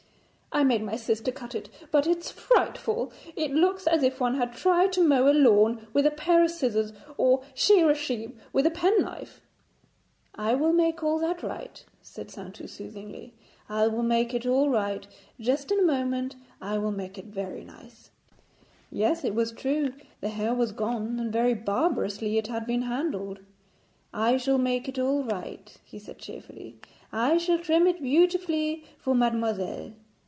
'I made my sister cut it, but it's frightful. It looks as if one had tried to mow a lawn with a pair of scissors, or shear a sheep with a penknife.' 'I will make all that right,' said Saintou soothingly; 'I will make it all right. Just in a moment I will make it very nice.' Yes, it was too true, the hair was gone; and very barbarously it had been handled. 'I shall make it all right,' he said cheerfully; 'I shall trim it beautifully for mademoiselle.